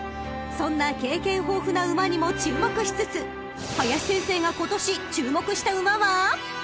［そんな経験豊富な馬にも注目しつつ林先生が今年注目した馬は］